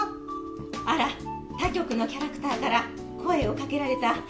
あら、他局のキャラクターから声をかけられた。